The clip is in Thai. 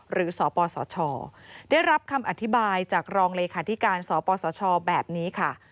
สปสชได้รับคำอธิบายจากรองเลขาธิการสปสชแบบนี้ค่ะ